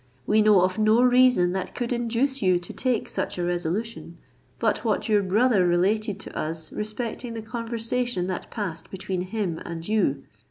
We know of no reason that could induce you to take such a resolution, but what your brother related to us respecting the conversation that passed between him and you.